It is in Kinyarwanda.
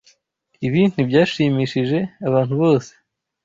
Ibi ntibyashimishije abantu bose.